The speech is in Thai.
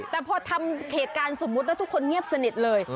แต่พอทำเหตุการณ์สมมุติแล้วทุกคนเงียบสนิทเลย